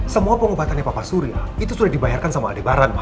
semua pengobatan papa surya sudah dibayarkan sama adik baran ma